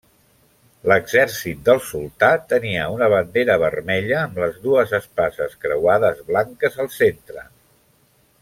L'exèrcit del sultà tenia una bandera vermella amb les dues espases creuades blanques al centre.